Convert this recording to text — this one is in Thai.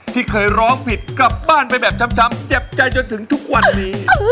ที่เคยร้องผิดกลับบ้านไปแบบช้ำเจ็บใจจนถึงทุกวันนี้